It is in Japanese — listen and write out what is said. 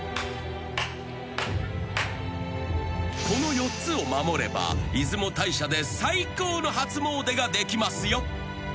［この４つを守れば出雲大社で最高の初詣ができますよ］